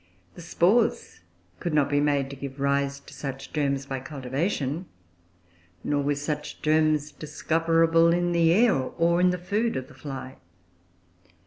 The spores could not be made to give rise to such germs by cultivation; nor were such germs discoverable in the air, or in the food of the fly.